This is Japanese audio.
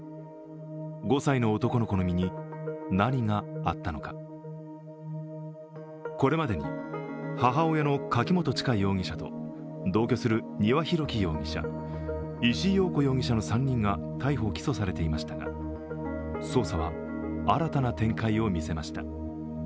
５歳の男の子の身に何があったのかこれまでに、母親の柿本知香容疑者と同居する丹羽洋樹容疑者、石井陽子容疑者の３人が逮捕・起訴されていましたが、捜査は新たな展開を見せました。